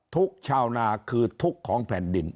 ชาวนาคือทุกข์ของแผ่นดิน